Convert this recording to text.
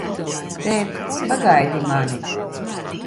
Tēt, pagaidi mani!